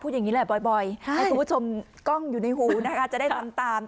พูดอย่างงี้แหละบ่อยบ่อยใช่คุณผู้ชมกล้องอยู่ในหูนะคะจะได้ตามตาม